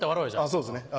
そうですね。